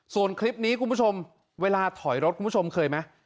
ส่วนคลิปนี้คุณผู้ชมเวลาถอยรถคุณผู้ชมเคยไหม